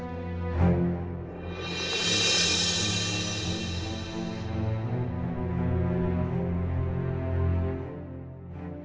itu pasti afif